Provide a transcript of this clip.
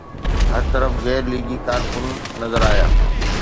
هر طرف غير ليگي ڪارڪن نظر آيا.